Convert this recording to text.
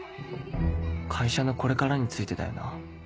会社のこれからについてだよな